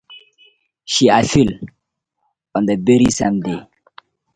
She appealed on the very same day.